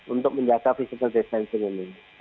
untuk menjaga physical distancing ini